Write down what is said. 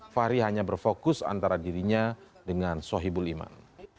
fahri hanya berfokus antara dirinya dengan sohibul iman